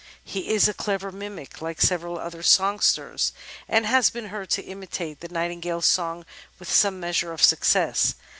He is a clever mimic, like several other songsters, and has been heard to imitate the Nightingale's song with some measure of success.